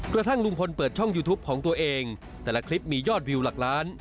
กระทั่งลุงพลเปิดช่องยูทูปของตัวเองแต่ละคลิปมียอดวิวหลักล้าน